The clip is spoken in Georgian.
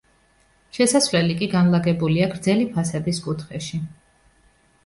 შესასვლელი კი განლაგებულია გრძელი ფასადის კუთხეში.